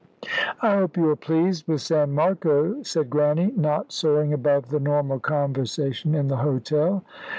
"I hope you are pleased with San Marco," said Grannie, not soaring above the normal conversation in the hotel.